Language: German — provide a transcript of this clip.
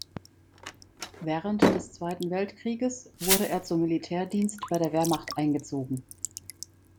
Während des Zweiten Weltkrieges wurde er zum Militärdienst bei der Wehrmacht eingezogen.